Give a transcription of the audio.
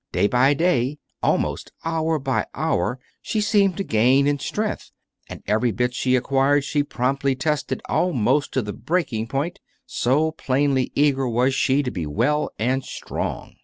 Day by day, almost hour by hour, she seemed to gain in strength; and every bit she acquired she promptly tested almost to the breaking point, so plainly eager was she to be well and strong.